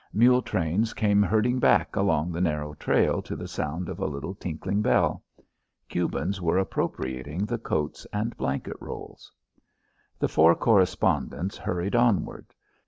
Mule trains came herding back along the narrow trail to the sound of a little tinkling bell. Cubans were appropriating the coats and blanket rolls. The four correspondents hurried onward.